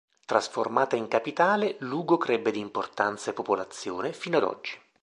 Trasformata in capitale Lugo crebbe di importanza e popolazione fino ad oggi.